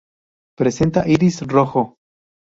Presenta iris rojo.